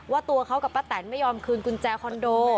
ตัวเขากับป้าแตนไม่ยอมคืนกุญแจคอนโด